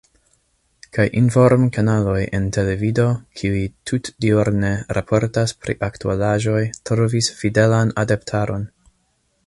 Kaj inform-kanaloj en televido, kiuj tutdiurne raportas pri aktualaĵoj, trovis fidelan adeptaron.